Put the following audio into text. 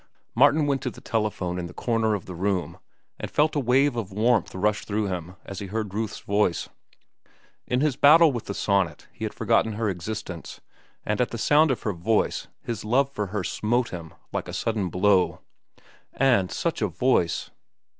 Martin went to the telephone in the corner of the room, and felt a wave of warmth rush through him as he heard Ruth's voice. In his battle with the sonnet he had forgotten her existence, and at the sound of her voice his love for her smote him like a sudden blow. And such a voice!